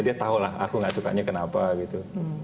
dia tahu lah aku gak sukanya kenapa gitu